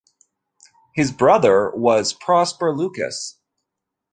His brother was Prosper Lucas.